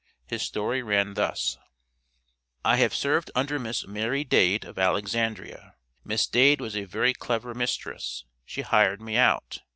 His story ran thus: "I have served under Miss Mary Dade, of Alexandria Miss Dade was a very clever mistress, she hired me out.